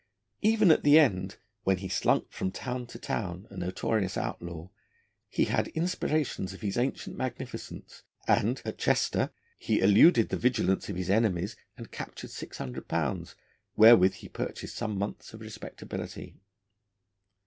Even at the end, when he slunk from town to town, a notorious outlaw, he had inspirations of his ancient magnificence, and at Chester he eluded the vigilance of his enemies and captured £600, wherewith he purchased some months of respectability.